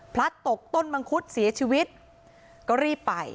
ตกต้นมังคุดเสียชีวิตก็รีบไป